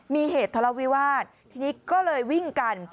มีเหตุทะเลาวิวาสทีนี้ก็เลยวิ่งกัน